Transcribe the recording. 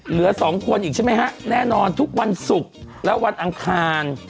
เหลือสองคนอีกใช่ไหมฮะแน่นอนทุกวันศุกร์และวันอังคาร